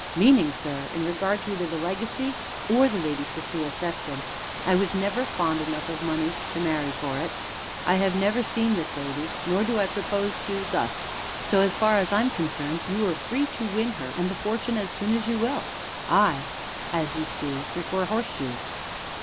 "Meaning, sir, in regard to either the legacy or the Lady Sophia Sefton. I was never fond enough of money, to marry for it. I have never seen this lady, nor do I propose to, thus, so far as I am concerned, you are free to win her and the fortune as soon as you will; I, as you see, prefer horseshoes."